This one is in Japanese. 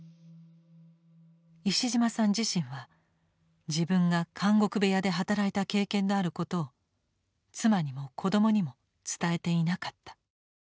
石島さん自身は自分が監獄部屋で働いた経験のあることを妻にも子供にも伝えていなかった。